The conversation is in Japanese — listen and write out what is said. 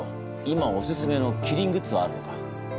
今おすすめのキリングッズはあるのか？